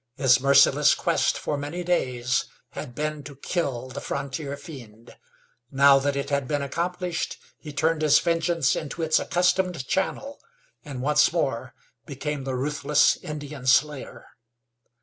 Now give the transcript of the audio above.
His merciless quest for many days had been to kill the frontier fiend. Now that it had been accomplished, he turned his vengeance into its accustomed channel, and once more became the ruthless Indian slayer.